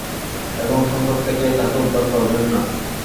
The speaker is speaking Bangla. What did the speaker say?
এবং সংকট থেকে তাকে উদ্ধার করবেন না?